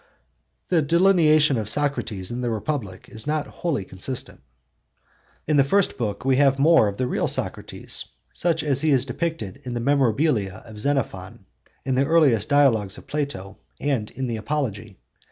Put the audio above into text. The delineation of Socrates in the Republic is not wholly consistent. In the first book we have more of the real Socrates, such as he is depicted in the Memorabilia of Xenophon, in the earliest Dialogues of Plato, and in the Apology.